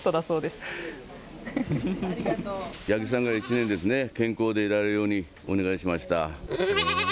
そうですね。